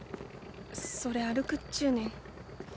そりゃ歩くっちゅうねん。